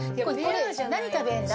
何食べんだ？